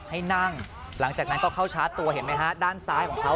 ให้นั่งหลังจากนั้นก็เข้าชาร์จตัวเห็นไหมฮะด้านซ้ายของเขา